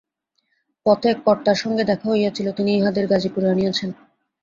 পথে কর্তার সঙ্গে দেখা হইয়াছিল, তিনি ইঁহাদের গাজিপুরে আনিয়াছেন।